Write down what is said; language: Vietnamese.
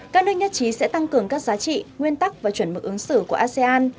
các nước nhất trí sẽ tăng cường các giá trị nguyên tắc và chuẩn mực ứng xử của asean